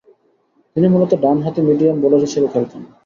তিনি মূলতঃ ডানহাতি মিডিয়াম বোলার হিসেবে খেলতেন।